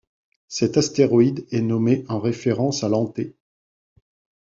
Cet astéroïde est nommé en référence à Ianthé.